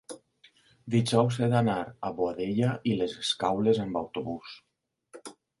dijous he d'anar a Boadella i les Escaules amb autobús.